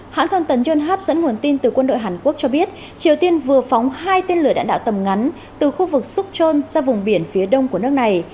hãng thần tần yonhap dẫn nguồn tin từ quân đội hàn quốc cho biết triều tiên vừa phóng hai tên lửa đạn đạo tầm ngắn từ khu vực sukchon ra vùng biển phía đông của nước này